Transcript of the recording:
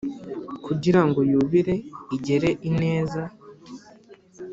kugira ngo Yubile igere ineza